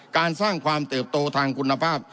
การสร้างความเติบโตทางคุณภาพ